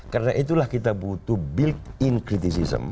karena itulah kita butuh built in criticism